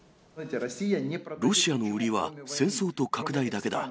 ロシアの売りは、戦争と拡大だけだ。